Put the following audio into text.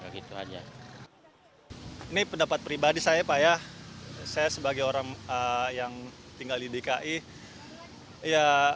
gitu aja ini pendapat pribadi saya pak ya saya sebagai orang yang tinggal di dki ya